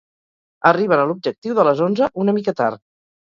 Arriben a l'objectiu de les onze una mica tard.